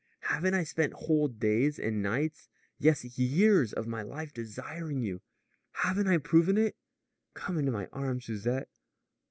Haven't I spent whole days and nights yes, years of my life desiring you? Haven't I proven it? Come into my arms, Susette.